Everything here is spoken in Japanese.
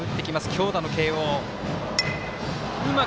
強打の慶応。